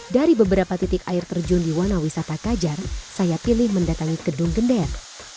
dari beberapa titik air terjun di wana wisata kajar saya pilih mendatangi gedung gender